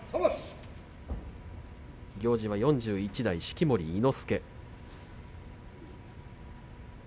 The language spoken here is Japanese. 行司は４１代式守伊之助。